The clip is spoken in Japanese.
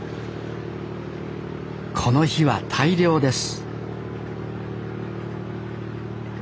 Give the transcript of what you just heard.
この日は大漁です